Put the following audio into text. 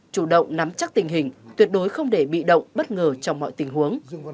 chủ động nắm chắc tình hình tuyệt đối không để bị động bất ngờ trong mọi tình huống